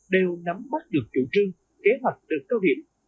đều nắm mắt được chủ trương kế hoạch được cao hiểm